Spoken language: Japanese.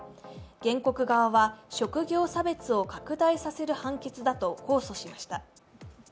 原告側は職業差別を拡大させる判決だと控訴しました。